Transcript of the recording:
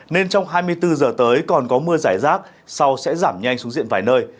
nên trong hai mươi bốn giờ tới còn có mưa giải rác sau sẽ giảm nhanh xuống diện vài nơi